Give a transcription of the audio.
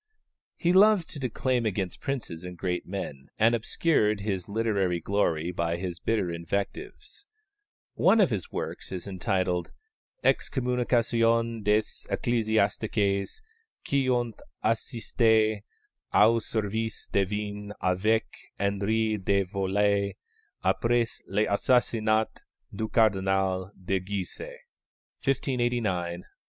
He loved to declaim against princes and great men, and obscured his literary glory by his bitter invectives. One of his works is entitled _Excommunication des Ecclésiastiques qui ont assisté au service divin avec Henri de Valois après l'assassinat du Cardinal de Guise_ (1589, in 8).